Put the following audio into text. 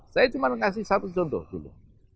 saya cuma kasih satu contoh dulu